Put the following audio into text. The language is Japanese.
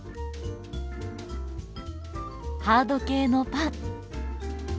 ハード系のパン。